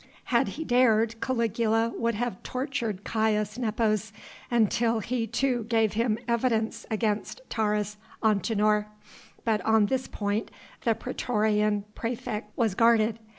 Had he dared, Caligula would have tortured Caius Nepos until he too gave him evidence against Taurus Antinor; but on this point the praetorian praefect was guarded.